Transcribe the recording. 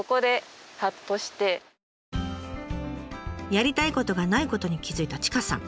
やりたいことがないことに気付いた千賀さん。